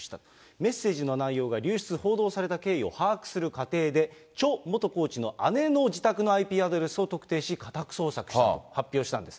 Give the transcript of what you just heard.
メッセージの内容が流出・報道された経緯を把握する過程でチョ元コーチの姉の自宅のＩＰアドレスを特定し、家宅捜索したと発表したんです。